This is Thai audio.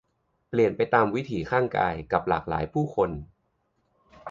เปลี่ยนไปตามวิถีข้างกาย กับหลาย หลายผู้คน